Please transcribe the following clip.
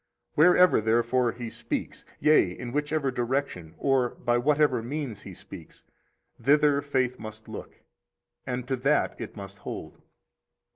Wherever, therefore, He speaks, yea, in whichever direction or by whatever means He speaks, thither faith must look, and to that it must hold.